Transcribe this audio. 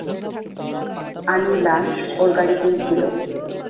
আনির লাশ ওর গাড়িতেই ছিল।